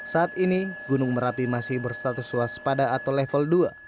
saat ini gunung merapi masih berstatus waspada atau level dua